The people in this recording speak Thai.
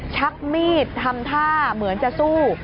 ชักมีดทำท่าเหมือนจะสู้